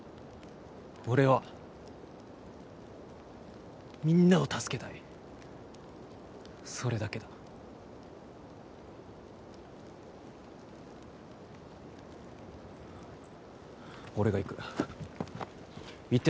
俺はみんなを助けたいそれだけだ俺が行く行って